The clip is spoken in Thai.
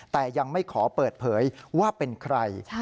แต่ยังไม่ขอเปิดเผยว่าเป็นใคร